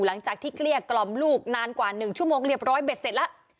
หลังจากที่เคลียร์กลอมลูกนานกว่าหนึ่งชั่วโมงเรียบร้อยเบ็ดเสร็จแล้ว